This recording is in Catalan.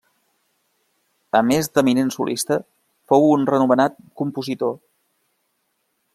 A més, d'eminent solista, fou un renomenat compositor.